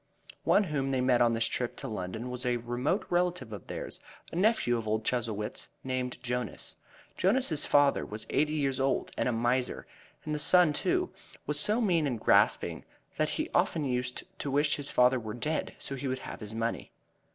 One whom they met on this trip to London was a remote relative of theirs, a nephew of old Chuzzlewit's, named Jonas. Jonas's father was eighty years old and a miser, and the son, too, was so mean and grasping that he often used to wish his father were dead so he would have his money.